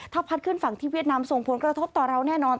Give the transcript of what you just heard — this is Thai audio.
ถ้าพัดขึ้นฝั่งที่เวียดนามส่งผลกระทบต่อเราแน่นอน